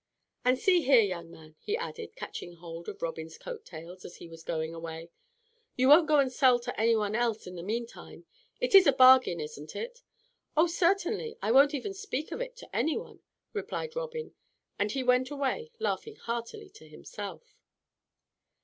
And see here, young man," he added, catching hold of Robin's coat tails as he was going away, "you won't go and sell to any one else in the meantime? It is a bargain, isn't it?" "Oh, certainly. I won't even speak of it to any one," replied Robin; and he went away, laughing heartily to himself.